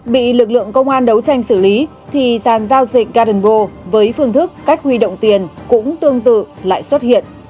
bị lực lượng công an đấu tranh xử lý thì sàn giao dịch gadonbo với phương thức cách huy động tiền cũng tương tự lại xuất hiện